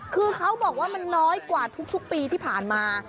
คือเขาบอกว่ามันน้อยกว่าทุกปีที่ผ่านมา